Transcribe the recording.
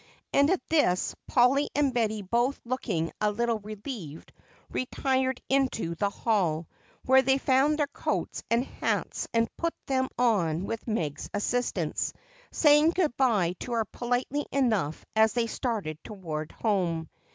And at this Polly and Betty both looking a little relieved retired into the hall, where they found their coats and hats and put them on with Meg's assistance, saying good bye to her politely enough as they started toward home.